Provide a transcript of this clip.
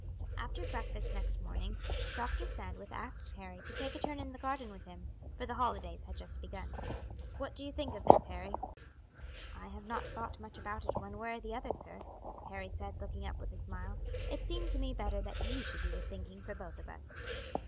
After breakfast next morning Dr. Sandwith asked Harry to take a turn in the garden with him, for the holidays had just begun. "What do you think of this, Harry?" "I have not thought much about it one way or the other, sir," Harry said, looking up with a smile. "It seemed to me better that you should do the thinking for both of us."